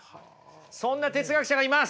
そんな哲学者がいます。